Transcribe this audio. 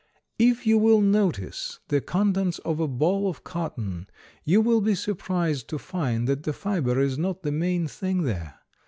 If you will notice the contents of a boll of cotton you will be surprised to find that the fiber is not the main thing there.